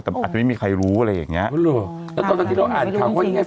แต่อาจจะไม่มีใครรู้อะไรอย่างเงี้ยอ๋อแล้วตอนนั้นที่เราอ่านของว่าอย่างเงี้ย